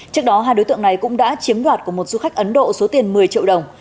trước đó hai đối tượng này cũng đã chiếm đoạt của một du khách ấn độ số tiền một mươi triệu đồng